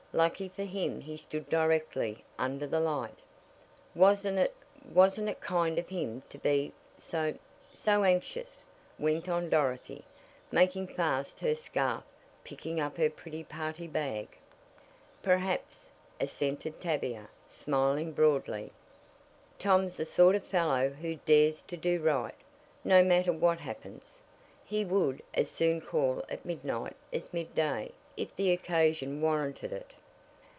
Lucky for him he stood directly under the light." "Wasn't it wasn't it kind of him to be so so anxious?" went on Dorothy, making fast her scarf picking up her pretty party bag. "Perhaps," assented Tavia, smiling broadly. "Tom's the sort of fellow who dares to do right, no matter what happens. He would as soon call at midnight as midday, if the occasion warranted it.